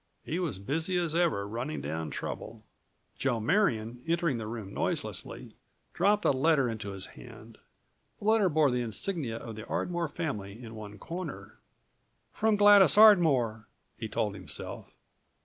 He was busy as ever running down trouble. Joe Marion, entering the room noiselessly, dropped a letter into his hand. The letter bore the insignia of the Ardmore family in one corner. "From Gladys Ardmore!" he told himself.